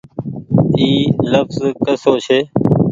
اي لڦز ڪسو ڇي۔